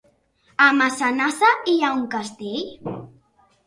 A Massanassa hi ha un castell?